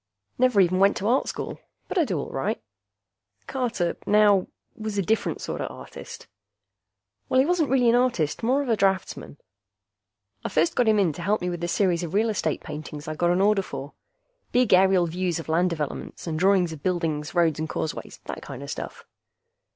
Never even went to Art School. But I do all right. Carter, now, was a different sorta artist. Well, he wasn't really an artist more of a draftsman. I first got him in to help me with a series of real estate paintings I'd got an order for. Big aerial views of land developments, and drawings of buildings, roads and causeways, that kinda stuff.